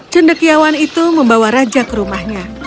cendekiawan itu membawa raja ke rumahnya